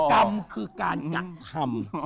กรรมคือการกักคำ